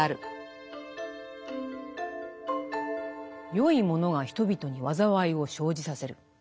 善いものが人々に災いを生じさせる。